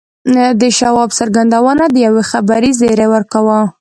د شواب څرګندونو د یوې خبرې زیری ورکاوه